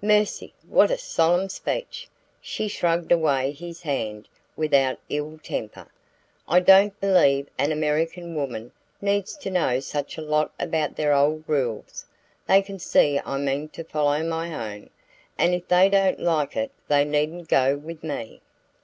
"Mercy, what a solemn speech!" She shrugged away his hand without ill temper. "I don't believe an American woman needs to know such a lot about their old rules. They can see I mean to follow my own, and if they don't like it they needn't go with me."